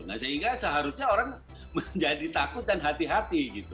nah sehingga seharusnya orang menjadi takut dan hati hati gitu